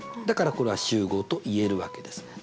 だからこれは集合と言えるわけです。